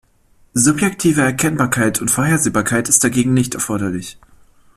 Subjektive Erkennbarkeit und Vorhersehbarkeit ist dagegen nicht erforderlich.